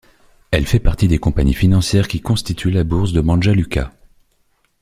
Elle fait partie des compagnies financières qui constituent la Bourse de Banja Luka.